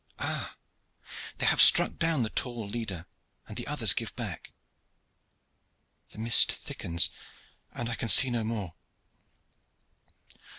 Ah! they have struck down the tall leader, and the others give back. The mist thickens and I can see no more."